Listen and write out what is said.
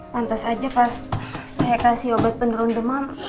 pantas aja pas saya kasih obat penurun demam